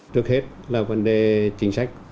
trước hết là vấn đề chính sách